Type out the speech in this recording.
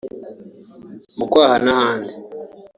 mu kwaha n’ahandi